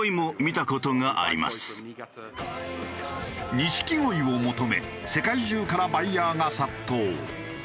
錦鯉を求め世界中からバイヤーが殺到。